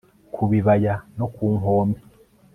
Ku bibaya no ku nkombe